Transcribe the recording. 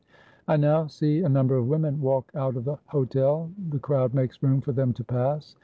I now see a number of women walk out of the Hotel, the crowd makes room for them to pass.